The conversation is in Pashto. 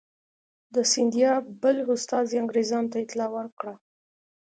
د سیندیا بل استازي انګرېزانو ته اطلاع ورکړه.